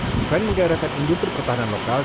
defending gaya reset indutri ketahanan lokal